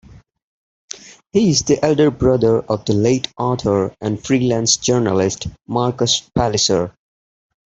He is the elder brother of the late author and freelance journalist Marcus Palliser.